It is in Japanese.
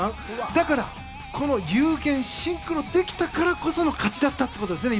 だから、有言シンクロできたからこその勝ちだったということですね。